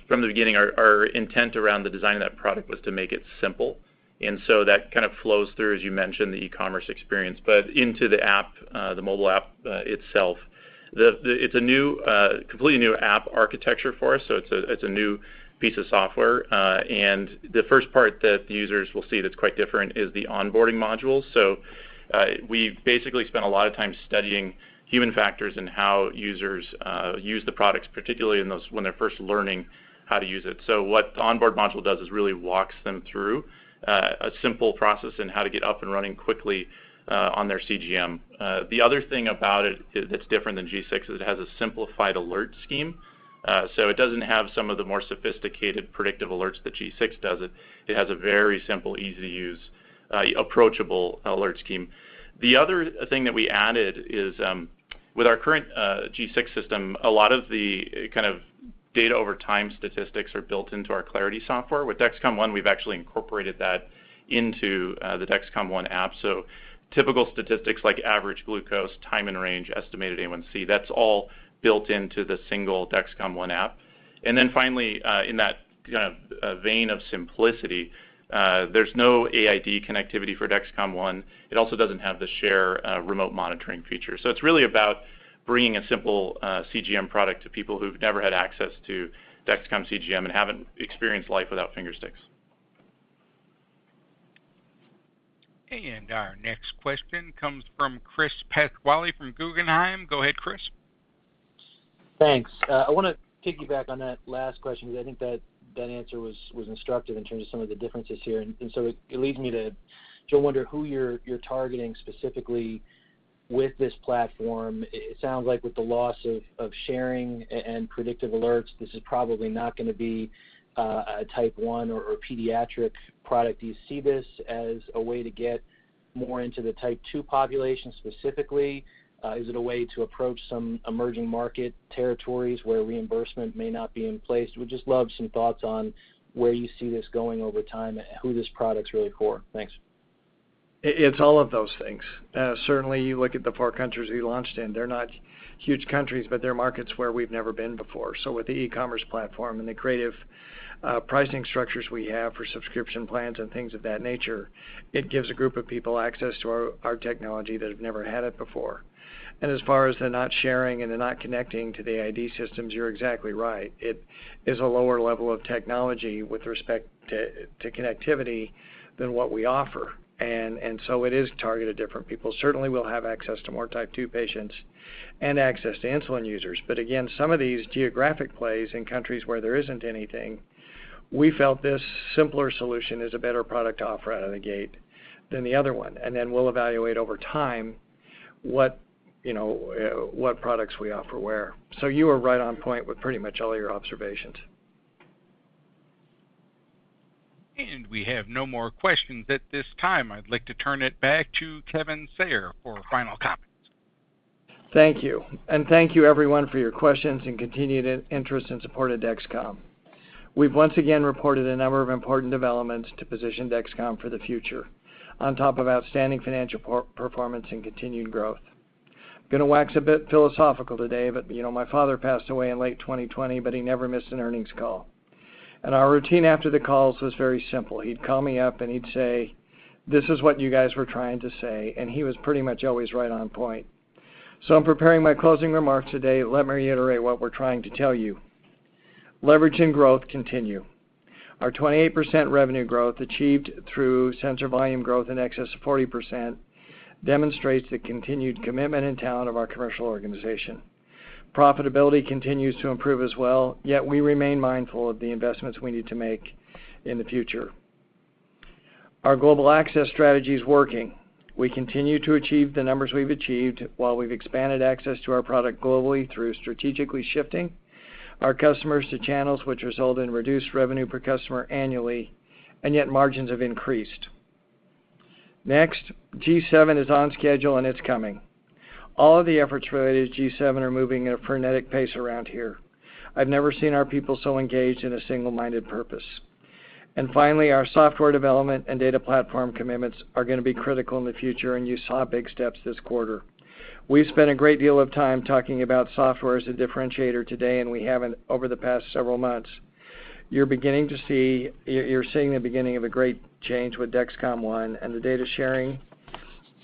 from the beginning, our intent around the design of that product was to make it simple. That kind of flows through, as you mentioned, the e-commerce experience, but into the app, the mobile app, itself. It's a completely new app architecture for us, so it's a new piece of software, and the first part that the users will see that's quite different is the onboarding module. We basically spent a lot of time studying human factors and how users use the products, particularly in those when they're first learning how to use it. What the onboarding module does is really walks them through a simple process in how to get up and running quickly on their CGM. The other thing about it's different than G6 is it has a simplified alert scheme. So it doesn't have some of the more sophisticated predictive alerts that G6 does. It has a very simple, easy to use, approachable alert scheme. The other thing that we added is, with our current, G6 system, a lot of the kind of data over time statistics are built into our Clarity software. With Dexcom ONE, we've actually incorporated that into, the Dexcom ONE app. So typical statistics like average glucose, time in range, estimated A1C, that's all built into the single Dexcom ONE app. Then finally, in that kind of vein of simplicity, there's no AID connectivity for Dexcom ONE. It also doesn't have the Share, remote monitoring feature. It's really about bringing a simple, CGM product to people who've never had access to Dexcom CGM and haven't experienced life without finger sticks. Our next question comes from Chris Pasquale from Guggenheim. Go ahead, Chris. Thanks. I wanna piggyback on that last question because I think that answer was instructive in terms of some of the differences here. It leads me to wonder who you're targeting specifically with this platform. It sounds like with the loss of sharing and predictive alerts, this is probably not gonna be a Type 1 or pediatric product. Do you see this as a way to get more into the Type 2 population specifically? Is it a way to approach some emerging market territories where reimbursement may not be in place? I would just love some thoughts on where you see this going over time, who this product's really for. Thanks. It's all of those things. Certainly, you look at the four countries we launched in. They're not huge countries, but they're markets where we've never been before. With the e-commerce platform and the creative pricing structures we have for subscription plans and things of that nature, it gives a group of people access to our technology that have never had it before. As far as they're not sharing and they're not connecting to the ID systems, you're exactly right. It is a lower level of technology with respect to connectivity than what we offer. It is targeted different people. Certainly, we'll have access to more type two patients and access to insulin users. Again, some of these geographic plays in countries where there isn't anything, we felt this simpler solution is a better product to offer out of the gate than the other one. Then we'll evaluate over time what, you know, what products we offer where. You are right on point with pretty much all your observations. We have no more questions at this time. I'd like to turn it back to Kevin Sayer for final comments. Thank you. Thank you everyone for your questions and continued interest and support of Dexcom. We've once again reported a number of important developments to position Dexcom for the future on top of outstanding financial performance and continued growth. I'm gonna wax a bit philosophical today, but, you know, my father passed away in late 2020, but he never missed an earnings call. Our routine after the calls was very simple. He'd call me up and he'd say, "This is what you guys were trying to say." He was pretty much always right on point. In preparing my closing remarks today, let me reiterate what we're trying to tell you. Leverage and growth continue. Our 28% revenue growth achieved through sensor volume growth in excess of 40% demonstrates the continued commitment and talent of our commercial organization. Profitability continues to improve as well, yet we remain mindful of the investments we need to make in the future. Our global access strategy is working. We continue to achieve the numbers we've achieved while we've expanded access to our product globally through strategically shifting our customers to channels which result in reduced revenue per customer annually, and yet margins have increased. Next, G7 is on schedule, and it's coming. All of the efforts related to G7 are moving at a frenetic pace around here. I've never seen our people so engaged in a single-minded purpose. Finally, our software development and data platform commitments are gonna be critical in the future, and you saw big steps this quarter. We've spent a great deal of time talking about software as a differentiator today, and we haven't over the past several months. You're seeing the beginning of a great change with Dexcom ONE, and the data sharing,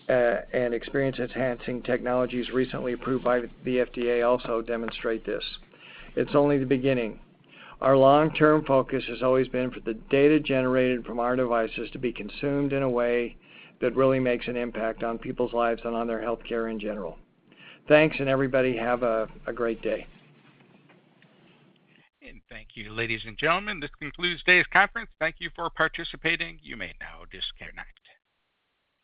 and experience-enhancing technologies recently approved by the FDA also demonstrate this. It's only the beginning. Our long-term focus has always been for the data generated from our devices to be consumed in a way that really makes an impact on people's lives and on their healthcare in general. Thanks, and everybody have a great day. Thank you, ladies and gentlemen. This concludes today's conference. Thank you for participating. You may now disconnect.